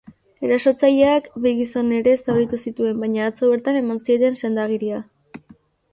Erasotzaileak bi gizon ere zauritu zituen, baina atzo bertan eman zieten senda-agiria.